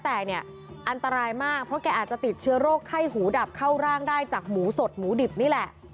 แต่เนี่ยอันตรายมากเพราะแกอาจจะติดเชื้อโรคไข้หูดับเข้าร่างได้จากหมูสดหมูดิบนี่แหละ